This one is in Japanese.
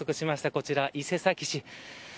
こちら伊勢崎市。